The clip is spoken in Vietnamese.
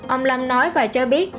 ông lâm nói và cho biết